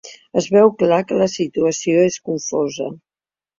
Es veu clar que la situació és confosa.